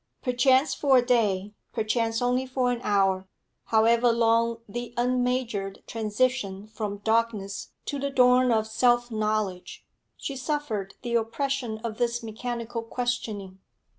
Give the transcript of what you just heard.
Perchance for a day, perchance only for an hour, however long the unmeasured transition from darkness to the dawn of self knowledge, she suffered the oppression of this mechanical questioning.